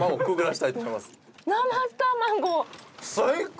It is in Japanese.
最高！